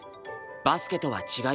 バスケとは違い